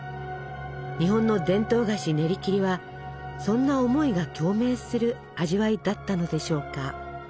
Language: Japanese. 日本の伝統菓子ねりきりはそんな思いが共鳴する味わいだったのでしょうか。